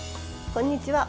こんにちは。